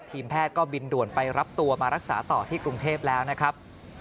ทีมแพทย์ก็บินด่วนไปรับตัวมารักษาต่อที่กรุงเทพแล้วนะครับ